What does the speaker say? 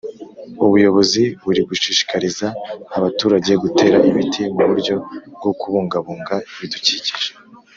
Ubuyobozi burigushishikariza abaturage gutera ibiti muburyo bwokubungabunga ibidukikije